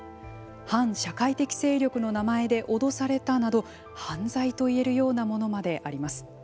反社会的勢力の名前で脅されたなど犯罪といえるようなものまであります。